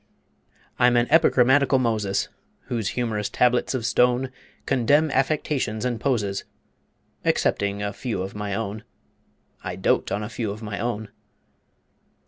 I'm an epigrammatical Moses, Whose humorous tablets of stone Condemn affectations and poses Excepting a few of my own. (I dote on a few of my own.)